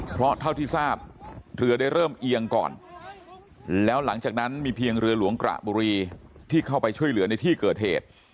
เพราะเท่าที่ทราบเรือได้เริ่มเอียงก่อนแล้วหลังจากนั้นมีเพียงเรือหลวงกระบุรีที่เข้าไปช่วยเหลือในที่เกิดเหตุ